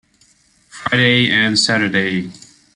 Friday and Saturday.